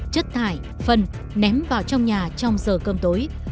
chất thải phân ném vào trong nhà trong giờ cơm tối